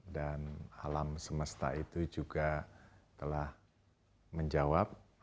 alam semesta itu juga telah menjawab